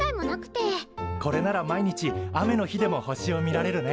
これなら毎日雨の日でも星を見られるね。